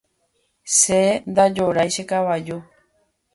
Che ndajorái che kavaju.